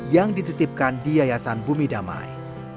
yang dititipkan di yayasan bumi damai